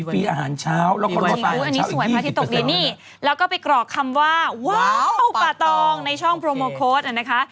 ฟรีอาหารเช้าแล้วก็รอสายอาหารเช้าอีก๒๐แล้วก็ไปกรอกคำว่าว้าวป่าตองในช่องโปรโมโค้ดนะคะ